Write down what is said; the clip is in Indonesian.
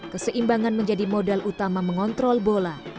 keseimbangan menjadi modal utama mengontrol bola